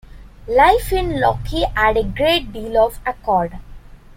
Life in Locke had a great deal of accord.